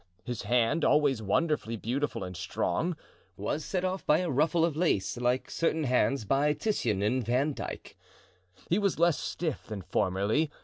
His hand, always wonderfully beautiful and strong, was set off by a ruffle of lace, like certain hands by Titian and Vandyck. He was less stiff than formerly.